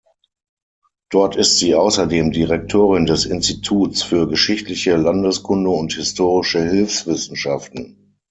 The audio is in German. Dort ist sie außerdem Direktorin des Instituts für Geschichtliche Landeskunde und Historische Hilfswissenschaften.